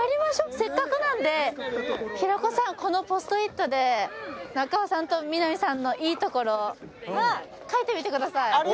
せっかくなんで平子さんこのポスト・イットで中尾さんと南さんのいいところ書いてみてください俺？